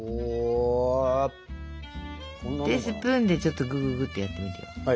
でスプーンでちょっとぐぐぐってやってみてよ。